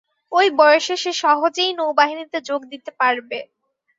ঐ বয়সে সে সহজেই নৌবাহিনীতে যোগ দিতে পারবে।